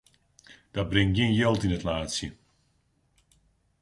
Dat bringt gjin jild yn it laadsje.